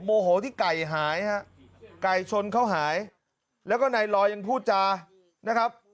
โมโหที่ไก่หายฮะไก่ชนเขาหายแล้วก็นายลอยยังพูดจานะครับ